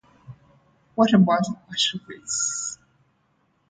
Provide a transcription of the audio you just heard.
What about Auschwitz?